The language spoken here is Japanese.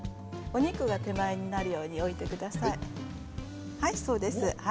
お肉が手前になるように置いてください。